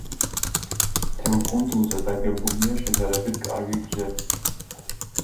მთელ კუნძულზე დაგებულია შედარებით კარგი გზები.